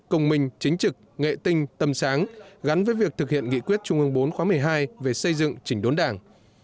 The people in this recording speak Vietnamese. công minh chính trực nghệ tinh tâm sáng gắn với việc thực hiện nghị quyết trung ương bốn khóa một mươi hai về xây dựng chỉnh đốn đảng